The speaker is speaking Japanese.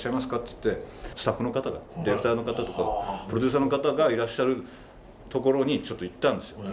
ってスタッフの方がディレクターの方とかプロデューサーの方がいらっしゃるところにちょっと行ったんですよ。